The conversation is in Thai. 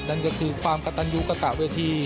นั่นก็คือความกระตันยูกระตะเวที